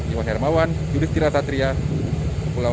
iwan hermawan yudistira satria pulau riau